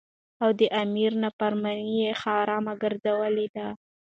او د امیر نافرمانی یی حرامه ګرځولی ده.